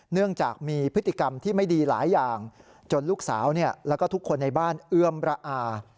เนื่องจากมีพฤติกรรมที่ไม่ดีหลายอย่างจนลูกสาวแล้วก็ทุกคนในบ้านเอื้อมระอา